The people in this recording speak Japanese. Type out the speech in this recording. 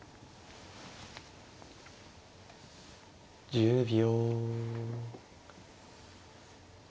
１０秒。